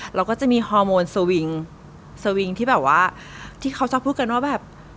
เราก็จะมีฮอร์โมนสวิงสวิงที่แบบว่าที่เขาจะพูดกันว่าแบบ